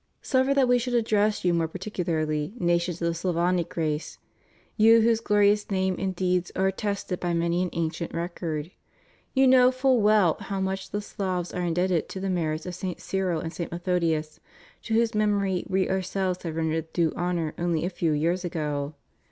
Suffer that We should address you more particularly, nations of the Slavonic race, you whose glorious name and deeds are attested by many an ancient record. You know full well how much the Slavs are indebted to the merits of St. Cyril and St. Methodius, to whose memory We Our selves have rendered due honor only a few years ago.